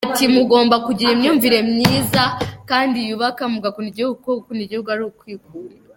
Ati ”Mugomba kugira imyumvire myiza kandi yubaka, mugakunda igihugu kuko gukunda igihugu ari ukwikunda.